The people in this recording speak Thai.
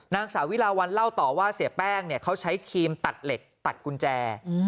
นางสาวิลาวันเล่าต่อว่าเสียแป้งเขาใช้ครีมตัดเหล็กตัดกุญแจ